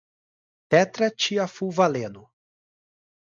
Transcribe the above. tetratiafulvaleno